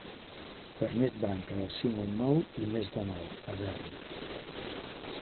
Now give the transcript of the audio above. Fernet Branca del cinc al nou i més de nou, Averna.